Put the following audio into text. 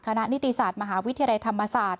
นิติศาสตร์คณะนิติศาสตร์มหาวิทยาลัยธรรมศาสตร์